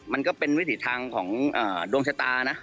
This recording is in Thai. มันก็เป็นวิถีทางของดวงชะตานะ